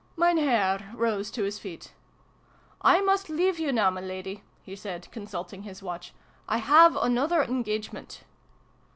Mein Herr rose to his feet. " I must leave you now, Miladi," he said, consulting his watch. " I have another engagement."